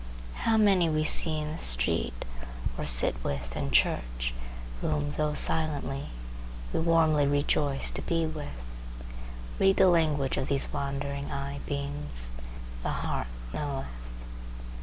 How many we see in the street, or sit with in church, whom, though silently, we warmly rejoice to be with! Read the language of these wandering eye beams. The heart knoweth.